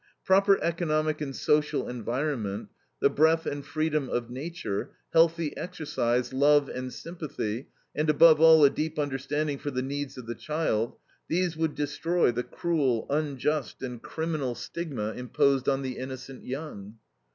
Proper economic and social environment, the breath and freedom of nature, healthy exercise, love and sympathy, and, above all, a deep understanding for the needs of the child these would destroy the cruel, unjust, and criminal stigma imposed on the innocent young.